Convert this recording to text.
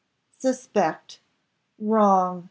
"Suspect! wrong!"